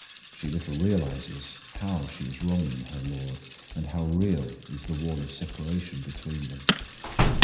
She little realizes how she is wronging her LORD, and how real is the wall of separation between them.